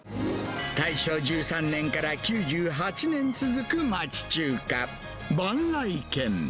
大正１３年から９８年続く町中華、萬来軒。